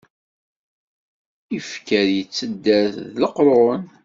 Ifker yettedder d leqrun.